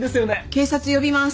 警察呼びます。